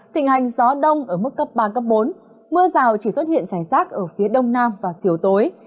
tình hành gió đông ở mức cấp ba bốn mưa rào chỉ xuất hiện sánh sát ở phía đông nam và chiều tối